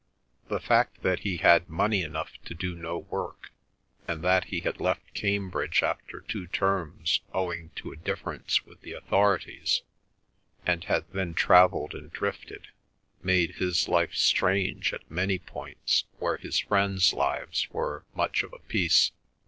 The fact that he had money enough to do no work, and that he had left Cambridge after two terms owing to a difference with the authorities, and had then travelled and drifted, made his life strange at many points where his friends' lives were much of a piece.